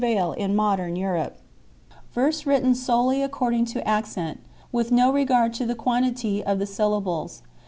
70 vail in modern Europe verse written solely according to accent, with no regard to the quantity of the syllables.